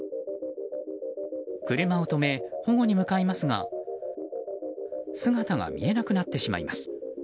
車を止め、保護に向かいますが姿が見えなくなってしまいます。